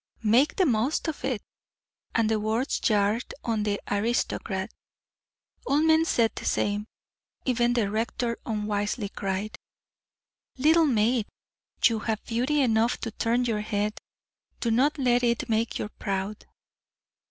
"Make the most of it!" and the words jarred on the aristocrat. All men said the same. Even the rector unwisely cried: "Little maid, you have beauty enough to turn your head. Do not let it make you proud."